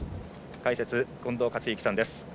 解説、近藤克之さんです。